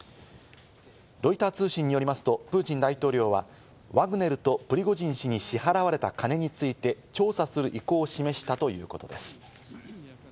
ロイター通信によりますと、プーチン大統領はワグネルとプリゴジン氏に支払われた金について調査する意向を示したということです。